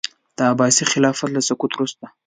د عباسي خلافت له سقوط وروسته.